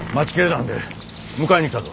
なんで迎えに来たぞ。